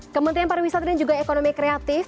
kementerian pariwisata dan juga ekonomi kreatif